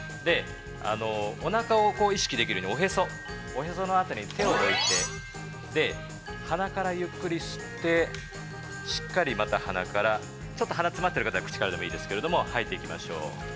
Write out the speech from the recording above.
おなかを意識できるようにおへその辺りに手を置いて、鼻からゆっくり吸ってしっかりまた鼻からちょっと鼻が詰まっている方は口からでもいいですけれども、吐いていきましょう。